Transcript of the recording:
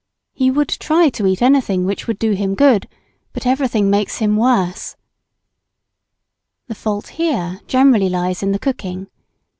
He would try to eat anything which would do him good; but everything "makes him worse." The fault here generally lies in the cooking.